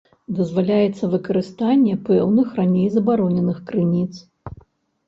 Дазваляецца выкарыстанне пэўных раней забароненых крыніц.